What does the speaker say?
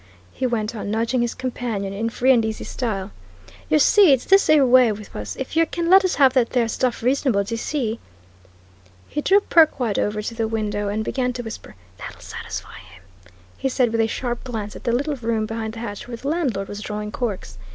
he went on, nudging his companion, in free and easy style. "Yer see, it's this ere wy wiv us if yer can let us have that there stuff reasonable, d'yer see " He drew Perkwite over to the window and began to whisper, "That'll satisfy him," he said with a sharp glance at the little room behind the hatch where the landlord was drawing corks.